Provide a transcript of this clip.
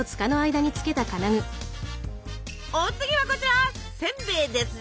お次はこちらせんべいですぜ。